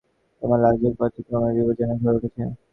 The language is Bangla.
তোমার লাজুক পাত্রী ক্রমেই বিপজ্জনক হয়ে উঠছে!